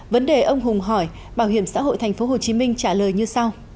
vấn đề ông hùng hỏi bảo hiểm xã hội tp hcm trả lời như sau